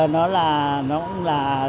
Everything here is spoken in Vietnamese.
nó là nó cũng là